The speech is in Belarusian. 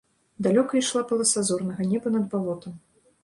Далёка ішла паласа зорнага неба над балотам.